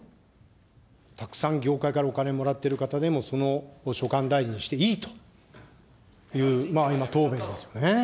たくさん業界からお金もらってる方でも、その所管大臣にしていいという、今答弁ですよね。